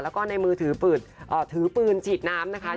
แล้วก็ในมือถือปืนฉีดน้ำนะคะ